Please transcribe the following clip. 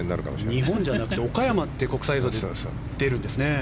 日本じゃなくて岡山って国際映像で出るんですね。